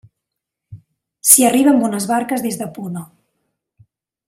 S'hi arriba amb unes barques des de Puno.